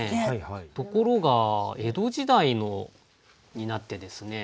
ところが江戸時代になってですね